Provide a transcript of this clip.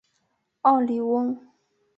奥里翁。